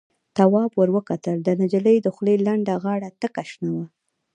تواب ور وکتل، د نجلۍ دخولې لنده غاړه تکه شنه وه.